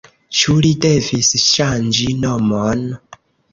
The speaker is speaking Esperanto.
Ĉu li devis ŝanĝi nomon?